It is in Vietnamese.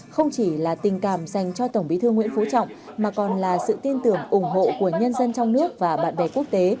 không chỉ là tình cảm dành cho tổng bí thư nguyễn phú trọng mà còn là sự tin tưởng ủng hộ của nhân dân trong nước và bạn bè quốc tế